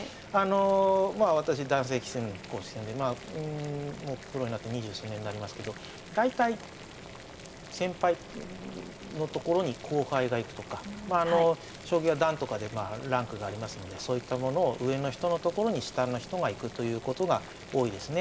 まあ私男性棋戦の公式戦でもうプロになって二十数年なりますけど大体先輩のところに後輩が行くとか将棋は段とかでランクがありますのでそういったものを上の人のところに下の人が行くということが多いですね。